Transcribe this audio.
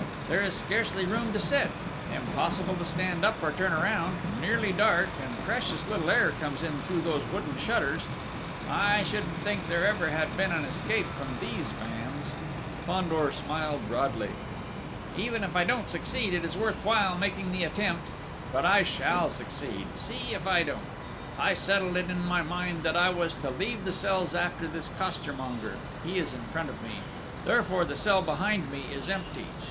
"There is scarcely room to sit ... impossible to stand up or turn around ... nearly dark ... and precious little air comes in through those wooden shutters!... I shouldn't think there ever had been an escape from these vans!..." Fandor smiled broadly. "Even if I don't succeed, it is worth while making the attempt!... But I shall succeed see if I don't!... I settled it in my mind that I was to leave the cells after this costermonger: he is in front of me, therefore the cell behind me is empty.